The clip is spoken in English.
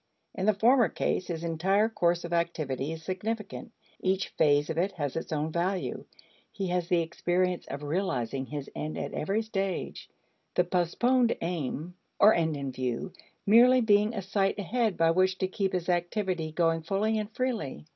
In the former case, his entire course of activity is significant; each phase of it has its own value. He has the experience of realizing his end at every stage; the postponed aim, or end in view, being merely a sight ahead by which to keep his activity going fully and freely.